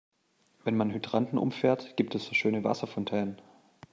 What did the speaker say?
Wenn man Hydranten umfährt, gibt es so schöne Wasserfontänen.